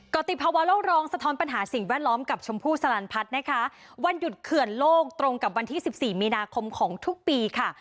ติภาวะโลกรองสะท้อนปัญหาสิ่งแวดล้อมกับชมพู่สลันพัฒน์นะคะวันหยุดเขื่อนโลกตรงกับวันที่๑๔มีนาคมของทุกปีค่ะ